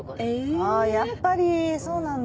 あやっぱりそうなんだ。